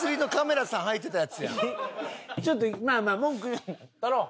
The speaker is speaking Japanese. ちょっとまあまあ文句撮ろう。